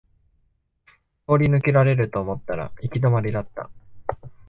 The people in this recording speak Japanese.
通り抜けられると思ったら行き止まりだった